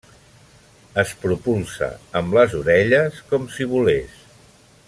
Es propulsa amb les orelles com si volés.